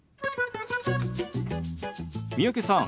三宅さん